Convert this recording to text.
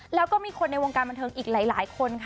แล้วก็มีคนในวงการบันเทิงอีกหลายคนค่ะ